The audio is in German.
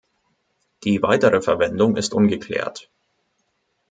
Die weitere Verwendung ist ungeklärt.